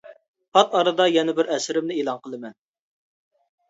پات ئارىدا يەنە بىر ئەسىرىمنى ئېلان قىلىمەن.